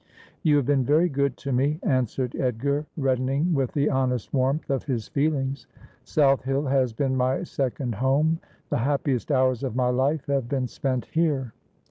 ' You have been very good to me,' answered Edgar, redden ing Avith the honest warmth of his feelings. ' South Hill has been my second home. The happiest hours of my life have been spent here.